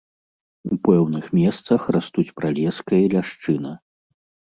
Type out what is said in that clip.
У пэўных месцах растуць пралеска і ляшчына.